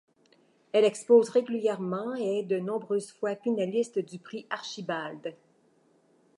Elle expose régulièrement et est de nombreuses fois finaliste du Prix Archibald.